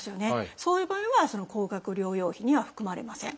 そういう場合はその高額療養費には含まれません。